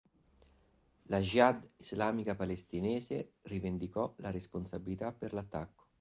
La Jihad islamica palestinese rivendicò la responsabilità per l'attacco.